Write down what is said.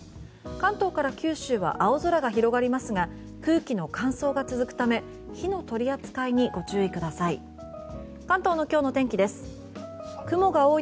関東から九州は青空が広がりますが空気の乾燥が続くため火の取り扱いにご注意ください。